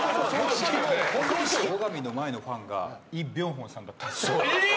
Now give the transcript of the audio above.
後上の前のファンがイ・ビョンホンさんだったって。